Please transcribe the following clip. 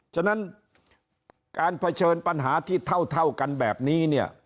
ฉะนั้นการเผชิญปัญหาที่เท่ากันแบบนี้เนี่ย